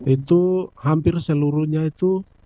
itu hampir seluruhnya itu